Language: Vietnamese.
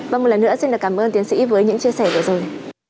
vâng một lần nữa xin cảm ơn tiến sĩ với những chia sẻ vừa rồi